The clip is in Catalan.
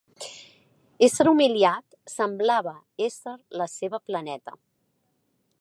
Ésser humiliat semblava ésser la seva planeta.